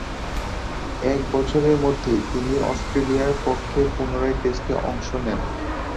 এক বছরের মধ্যেই তিনি অস্ট্রেলিয়ার পক্ষে পুনরায় টেস্টে অংশ নেন।